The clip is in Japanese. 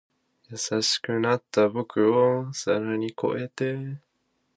優しくなった僕を更に越えて